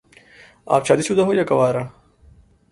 آپ شادی شدہ ہو یا کنوارہ؟